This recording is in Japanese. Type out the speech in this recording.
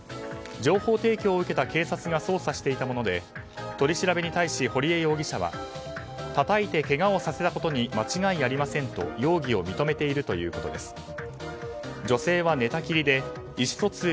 情報提供を受けた警察が捜査していたもので取り調べに対し堀江容疑者はたたいてけがをさせたことに間違いありませんと容疑を認めているということです。